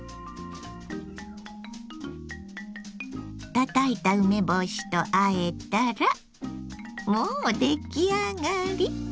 たたいた梅干しとあえたらもう出来上がり。